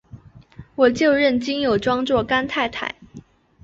我就认金友庄做干太太！